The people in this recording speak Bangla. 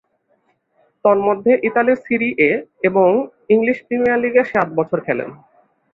তন্মধ্যে, ইতালির সিরি এ এবং ইংলিশ প্রিমিয়ার লীগে সাত বছর খেলেন।